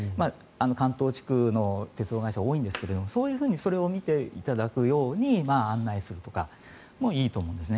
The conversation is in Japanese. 関東地区の鉄道会社は多いんですがそういうふうにそれを見ていただくように案内するとかもいいと思うんですね。